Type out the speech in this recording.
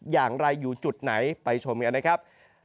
อย่างไรอยู่จุดไหนไปชมกันนะครับ